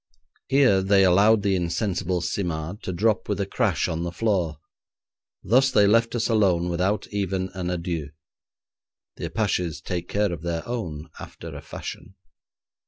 Here they allowed the insensible Simard to drop with a crash on the floor, thus they left us alone without even an adieu. The Apaches take care of their own after a fashion.